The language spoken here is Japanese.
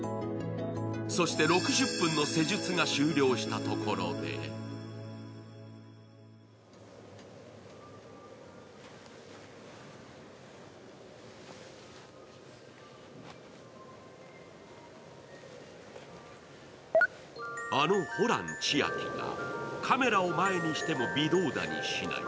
そして６０分の施術が終了したところであのホラン千秋が、カメラを前にしても微動だにしない。